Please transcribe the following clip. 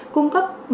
cung cấp sản phẩm